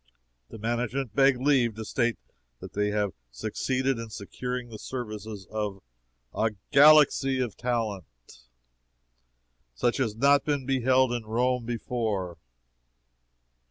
The management beg leave to state that they have succeeded in securing the services of a GALAXY OF TALENT! such as has not been beheld in Rome before.